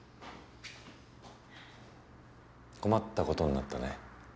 困ったことになったね。